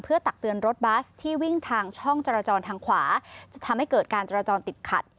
ตักเตือนรถบัสที่วิ่งทางช่องจราจรทางขวาจะทำให้เกิดการจราจรติดขัด